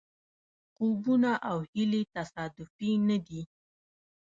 خوبونه او هیلې تصادفي نه دي.